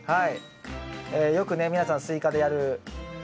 よくね皆さんスイカでやるポンポン。